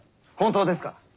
本当ですか？